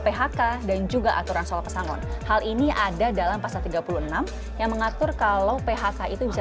phk dan juga aturan soal pesangon hal ini ada dalam pasal tiga puluh enam yang mengatur kalau phk itu bisa